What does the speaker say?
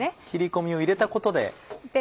切り込みを入れたことで。